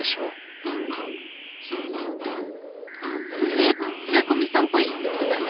めっちゃ古見さんっぽい質問だね。